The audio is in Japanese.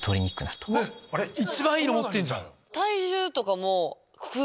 一番いいの持ってんじゃん。え！